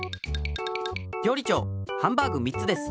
りょうり長ハンバーグ３つです。